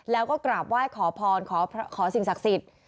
แล้วก็กราบไหว้ขอพรขอสิ่งศักดิ์สิทธิ์